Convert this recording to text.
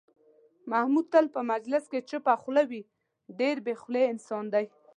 محمود تل په مجلس کې چوپه خوله وي، ډېر بې خولې انسان دی.